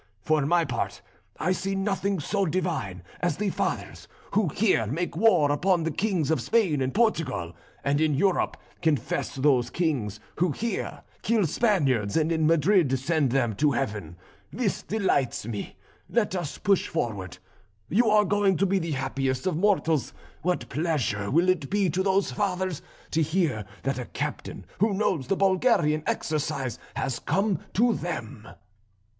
For my part I see nothing so divine as the Fathers who here make war upon the kings of Spain and Portugal, and in Europe confess those kings; who here kill Spaniards, and in Madrid send them to heaven; this delights me, let us push forward. You are going to be the happiest of mortals. What pleasure will it be to those Fathers to hear that a captain who knows the Bulgarian exercise has come to them!"